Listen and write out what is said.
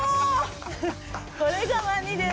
これがワニです。